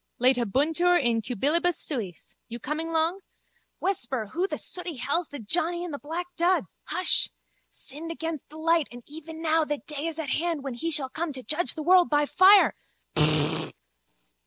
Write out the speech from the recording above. Laetabuntur in cubilibus suis. You coming long? Whisper, who the sooty hell's the johnny in the black duds? Hush! Sinned against the light and even now that day is at hand when he shall come to judge the world by fire.